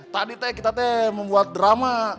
tadi teh kita teh membuat drama